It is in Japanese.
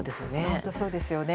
本当にそうですね。